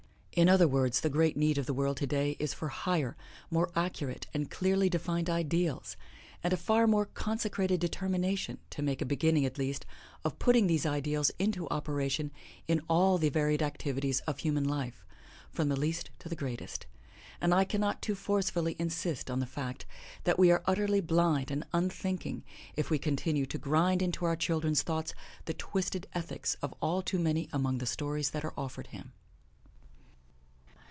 In other words, the great need of the world today is for higher, more accurate and clearly defined ideals, and a far more consecrated determination to make a beginning at least, of putting these ideals into operation in all the varied activities of human life, from the least to the greatest. And I cannot too forcefully insist on the fact that we are utterly blind and unthinking if we continue to grind into our children's thoughts the twisted ethics of all too many among the stories that are offered him.